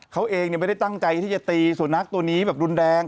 เขาเองไม่ได้ตั้งใจที่จะตีสุนัขตัวนี้แบบรุนแรง